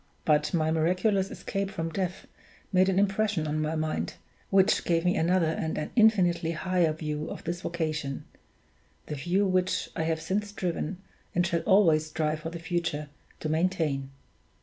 But my miraculous escape from death made an impression on my mind, which gave me another and an infinitely higher view of this vocation the view which I have since striven, and shall always strive for the future, to maintain.